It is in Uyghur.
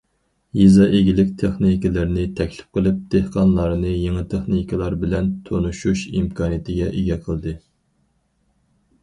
يېزا ئىگىلىك تېخنىكلىرىنى تەكلىپ قىلىپ، دېھقانلارنى يېڭى تېخنىكىلار بىلەن تونۇشۇش ئىمكانىيىتىگە ئىگە قىلدى.